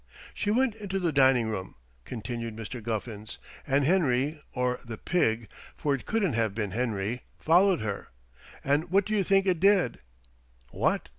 "She went into the dining room," continued Mr. Guffins, "and Henry or the pig, for it couldn't have been Henry followed her. And what do you think it did?" "What?"